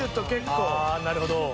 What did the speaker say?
あなるほど。